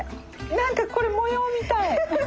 何かこれ模様みたい。